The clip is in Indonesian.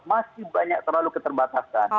masih banyak terlalu keterbatasan